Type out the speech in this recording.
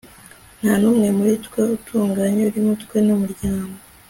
Nta numwe muri twe utunganye urimo twe numuryango